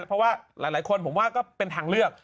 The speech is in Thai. เพราะว่าหลายคนผมว่าก็เป็นทางเลือก